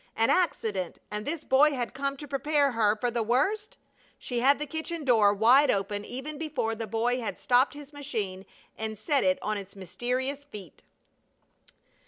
An accident! And this boy had come to prepare her for the worst? She had the kitchen door wide open even before the boy had stopped his machine and set it on its mysterious feet.